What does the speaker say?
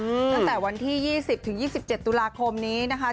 ตั้งแต่วันที่๒๐ถึง๒๗ตุลาคมนี้นะคะ